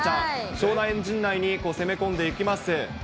湘南陣内に攻め込んでいきます。